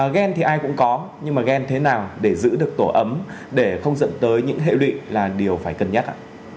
ghen thì ai cũng có nhưng mà ghen thế nào để giữ được tổ ấm để không dẫn tới những hệ lụy là điều phải cân nhắc ạ